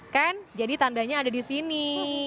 kan jadi tandanya ada di sini